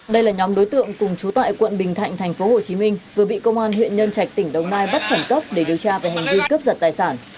đây là nhóm đối tượng cùng trú tại quận bình thạnh tp hcm vừa bị công an huyện nhân trạch tỉnh đồng nai bắt khẩn cấp để điều tra về hành vi cướp giật tài sản